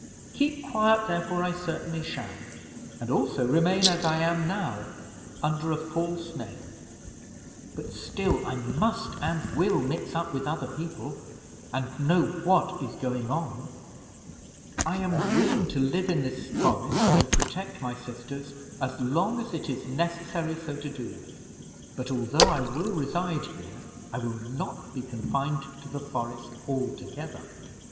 Keep quiet, therefore, I certainly shall, and also remain as I am now, under a false name; but still I must and will mix up with other people and know what is going on. I am willing to live in this forest and protect my sisters as long as it is necessary so to do; but although I will reside here, I will not be confined to the forest altogether."